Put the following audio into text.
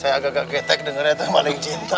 saya agak agak ketek dengerin tuh yang maling cinta